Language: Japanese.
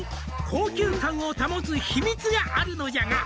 「高級感を保つ秘密があるのじゃが」